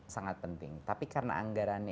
sangat penting tapi karena anggarannya